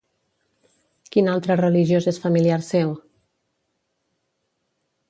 Quin altre religiós és familiar seu?